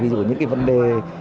ví dụ như cái vấn đề